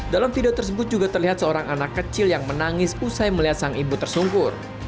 dalam video tersebut juga terlihat seorang anak kecil yang menangis usai melihat sang ibu tersungkur